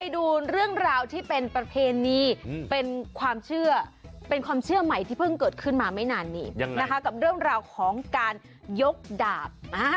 ดูเรื่องราวที่เป็นประเพณีเป็นความเชื่อเป็นความเชื่อใหม่ที่เพิ่งเกิดขึ้นมาไม่นานนี้นะคะกับเรื่องราวของการยกดาบ